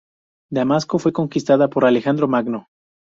Damasco fue conquistada por Alejandro Magno.